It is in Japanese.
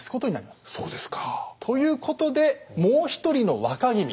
そうですか。ということでもう一人の若君。